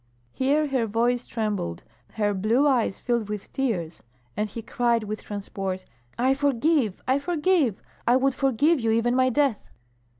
Here her voice trembled, her blue eyes filled with tears, and he cried with transport, "I forgive! I forgive! I would forgive you even my death!"